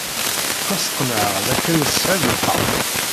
Ttwasqenɛeɣ dakken tesɛid lḥeqq.